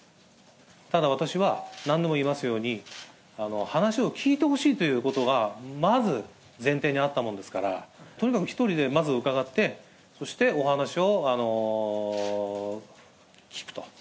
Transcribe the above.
ただ私は、何度も言いますように、話を聞いてほしいということが、まず前提にあったもんですから、とにかく１人でまず伺って、そしてお話を聞くと。